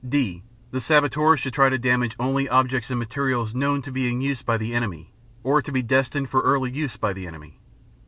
(d) The saboteur should try to damage only objects and materials known to be in use by the enemy or to be destined for early use by the enemy.